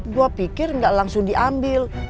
gua pikir enggak langsung diambil